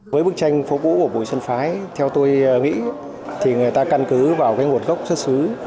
với bức tranh phố cũ của bùi xuân phái theo tôi nghĩ thì người ta căn cứ vào cái nguồn gốc xuất xứ